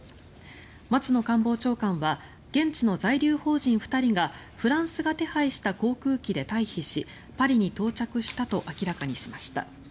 松野官房長官は現地の在留邦人２人がフランスが手配した航空機で退避しパリに到着したと明らかにしました。